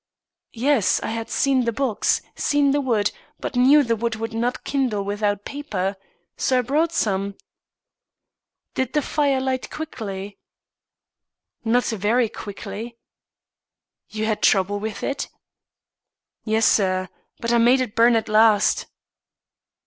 "Yes. I had seen the box, seen the wood, but knew the wood would not kindle without paper. So I brought some." "Did the fire light quickly?" "Not very quickly." "You had trouble with it?" "Yes, sir. But I made it burn at last."